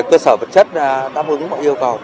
cơ sở vật chất đáp ứng mọi yêu cầu